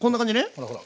ほらほら。